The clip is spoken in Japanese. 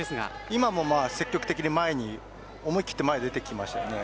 今も積極的に思い切って前に出てきましたよね。